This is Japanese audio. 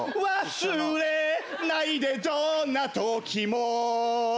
「忘れないでどんな時も」